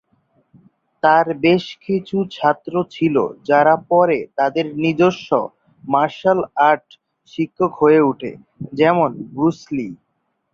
তার বেশ কিছু ছাত্র ছিল যারা পরে তাদের নিজস্ব মার্শাল আর্ট শিক্ষক হয়ে ওঠে, যেমন ব্রুস লি।